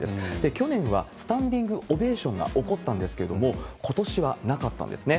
去年はスタンディングオベーションが起こったんですけれども、ことしはなかったんですね。